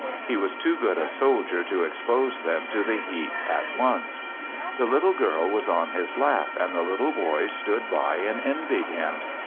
He was too good a soldier to expose them to the heat at once. The little girl was on his lap and the little boys stood by and envied him.